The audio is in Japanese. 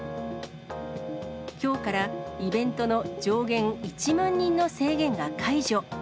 きょうからイベントの上限１万人の制限が解除。